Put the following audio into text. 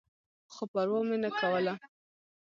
خو پروا مې نه کوله.